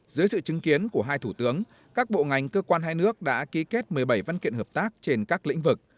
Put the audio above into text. dưới sự chứng kiến của hai thủ tướng các bộ ngành cơ quan hai nước đã ký kết một mươi bảy văn kiện hợp tác trên các lĩnh vực